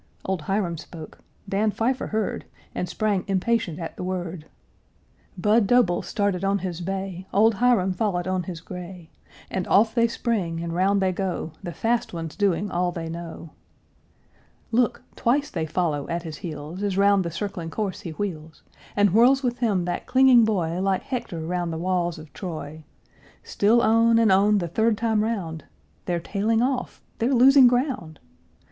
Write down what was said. Old Hiram spoke. Dan Pfeiffer heard, And sprang impatient at the word; Budd Doble started on his bay, Old Hiram followed on his gray, And off they spring, and round they go, The fast ones doing "all they know." Look! twice they follow at his heels, As round the circling course he wheels, And whirls with him that clinging boy Like Hector round the walls of Troy; Still on, and on, the third time round! They're tailing off! they're losing ground!